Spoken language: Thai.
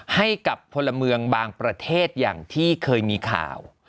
ให้กับพลเมืองบางประเทศอย่างที่เคยมีข่าว